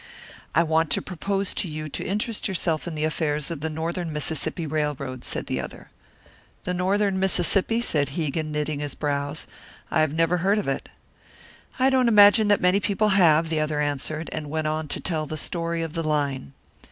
"I want to propose to you to interest yourself in the affairs of the Northern Mississippi Railroad," said the other. "The Northern Mississippi?" said Hegan, knitting his brows. "I have never heard of it." "I don't imagine that many people have," the other answered, and went on to tell the story of the line.